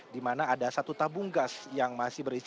di mana ada satu tabung gas yang masih berisi